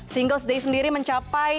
singles day sendiri mencapai